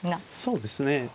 そうですね。